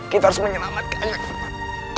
kita harus menyelamatkan anak anak